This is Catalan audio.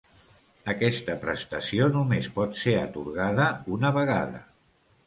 Aquesta prestació només pot ser atorgada una vegada.